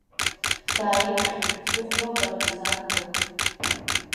Дааиԥхьеит Зыхәба апартизан бырг.